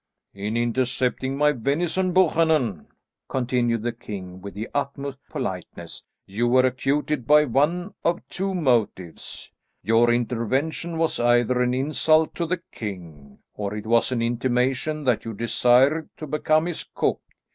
"In intercepting my venison, Buchanan," continued the king with the utmost politeness, "you were actuated by one of two motives. Your intervention was either an insult to the king, or it was an intimation that you desired to become his cook.